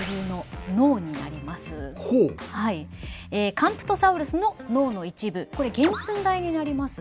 カンプトサウルスの脳の一部これ原寸大になります。